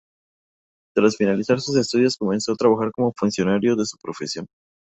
Tras finalizar sus estudios comenzó a trabajar como funcionario de su profesión.